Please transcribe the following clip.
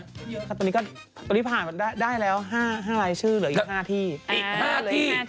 เยอะค่ะตอนนี้ผ่านได้แล้ว๕ลายชื่อเหลืออีก๕ที่